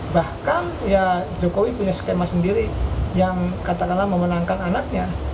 bahkan ya jokowi punya skema sendiri yang katakanlah memenangkan anaknya